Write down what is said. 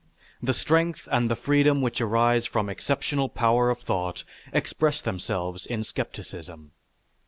The strength and the freedom which arise from exceptional power of thought express themselves in skepticism....